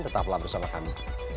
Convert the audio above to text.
tetaplah bersama kami